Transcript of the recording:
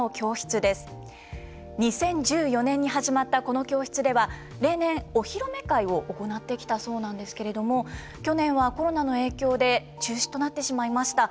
２０１４年に始まったこの教室では例年お披露目会を行ってきたそうなんですけれども去年はコロナの影響で中止となってしまいました。